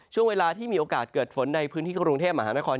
ช่วงเวลาที่มีโอกาสเกิดฝนในพื้นที่กรุงเทพมหานคร